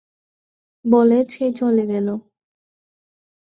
বলে সে চলে গেল।